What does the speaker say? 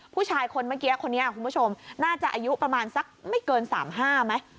ผู้ชายคนเมื่อกี้คนนี้คุณผู้ชมน่าจะอายุประมาณสักไม่เกิน๓๕ไหม